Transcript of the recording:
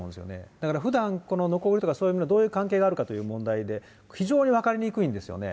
だからふだん、のこぎりとかそういうもの、どういう関係があるかという問題で、非常に分かりにくいんですよね。